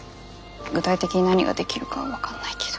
具体的に何ができるかは分かんないけど。